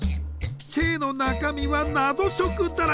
チェーの中身はナゾ食だらけ。